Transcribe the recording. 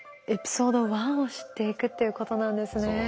エピソード１を知っていくっていうことなんですね。